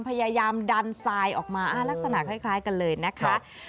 พยายามดันทรายออกมาลักษณะคล้ายกันเลยนะคะ